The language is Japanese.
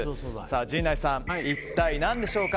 陣内さん、一体何でしょうか。